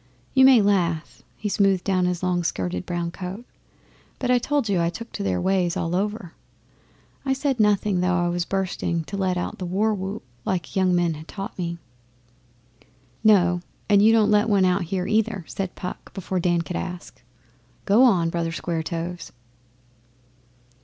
You may laugh' he smoothed down his long skirted brown coat 'but I told you I took to their ways all over. I said nothing, though I was bursting to let out the war whoop like the young men had taught me.' 'No, and you don't let out one here, either,' said Puck before Dan could ask. 'Go on, Brother Square toes.